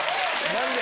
何で？